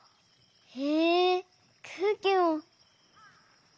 へえくうきも！